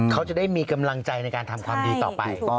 เขาจะได้มีกำลังใจในการทำความดีต่อไป